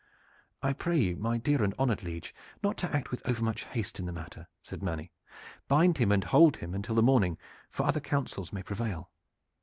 "I pray you, my dear and honored liege, not to act with overmuch haste in the matter," said Manny. "Bind him and hold him until the morning, for other counsels may prevail."